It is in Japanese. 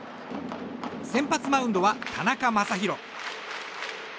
先発マウンドは田中将大。